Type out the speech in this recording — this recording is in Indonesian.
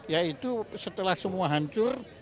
yaitu setelah semua hancur